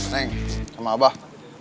neng sama abah